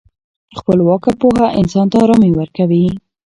خپلواکه پوهه انسان ته ارامي ورکوي.